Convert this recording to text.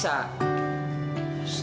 setelah itu ada deadline nih udah